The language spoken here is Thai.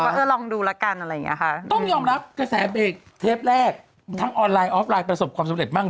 เทปแรกทั้งออนไลน์ออฟไลน์ประสบความสำเร็จบ้าง